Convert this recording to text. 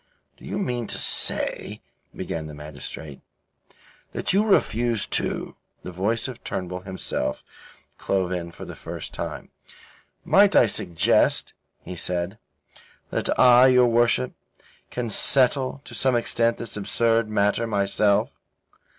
"Do you mean to say," began the magistrate, "that you refuse to..." The voice of Turnbull himself clove in for the first time. "Might I suggest," he said, "That I, your worship, can settle to some extent this absurd matter myself.